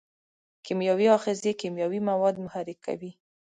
کیمیاوي آخذه کیمیاوي مواد محرک کوي.